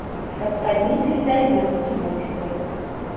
З-пад спадніцы відаць наскі боцікаў.